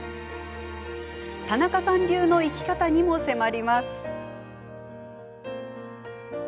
田中さん流の生き方にも迫ります。